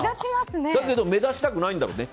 だけど目立ちたくないんだろうね。